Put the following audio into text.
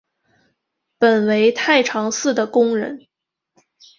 本为太常寺的工人。